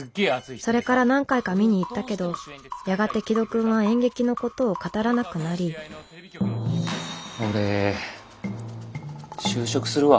それから何回か見に行ったけどやがて紀土くんは演劇のことを語らなくなり俺就職するわ。